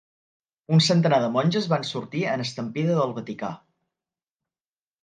Un centenar de monges van sortir en estampida del Vaticà.